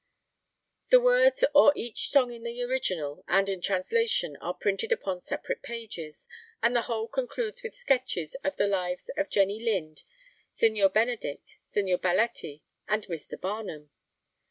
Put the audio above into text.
The words or each song in the original and in translation are printed upon separate pages, and the whole concludes with sketches of the lives of Jenny Lind, Signer Benedict, Signor Belletti and Mr. Barnum.